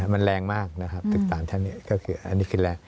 มันแรงมากนะครับติดตามท่านนี้ก็คืออันนี้คือแรง